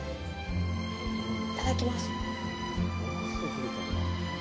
いただきます。